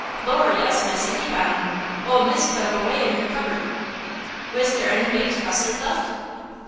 "Lor', yes, miss, a heap on 'em! Ole Mis' put 'em away in her cubberd." "Was there any baked custard left?"